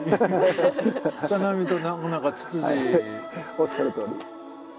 おっしゃるとおり。